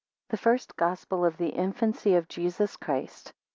] THE FIRST GOSPEL OF THE INFANCY OF JESUS CHRIST.